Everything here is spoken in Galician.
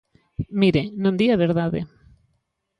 Mire, non di a verdade.